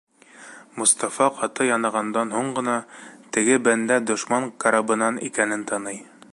Мостафа ҡаты янағандан һуң ғына, теге бәндә дошман карабынан икәнен таный.